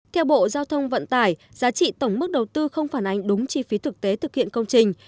theo bộ giao thông vận tải giá trị tổng mức đầu tư không phản ánh đúng chi phí thực tế thực hiện công trình